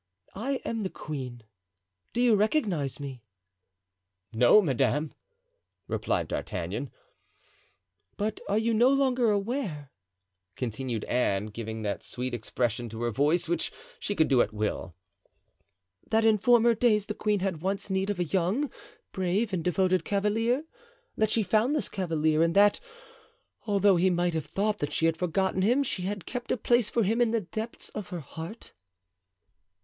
I am the queen; do you recognize me?" "No, madame," replied D'Artagnan. "But are you no longer aware," continued Anne, giving that sweet expression to her voice which she could do at will, "that in former days the queen had once need of a young, brave and devoted cavalier—that she found this cavalier—and that, although he might have thought that she had forgotten him, she had kept a place for him in the depths of her heart?"